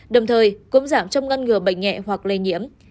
đồng thời cũng giảm trong ngăn ngừa bệnh nhẹ hoặc lây nhiễm